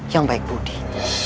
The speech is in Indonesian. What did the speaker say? yang baik buruk